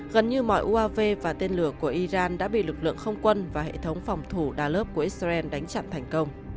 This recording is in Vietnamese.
gần như mọi uav và tên lửa của iran đã bị lực lượng không quân và hệ thống phòng thủ dallov của israel đánh chặn thành công